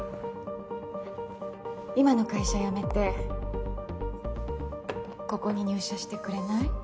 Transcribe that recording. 今の会社辞めてここに入社してくれない？